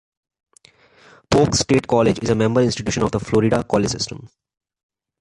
Polk State College is a member institution of the Florida College System.